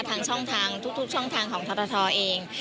ทางช่องทางทุกช่องทางของทรทเอง